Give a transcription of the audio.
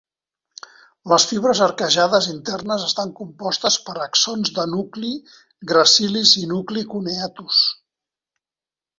Les fibres arquejades internes estan compostes per axons de nucli Gracilis i nucli Cuneatus.